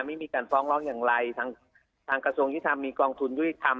ไม่มีการฟ้องร้องอย่างไรทางกระทรวงยุทธรรมมีกองทุนยุติธรรม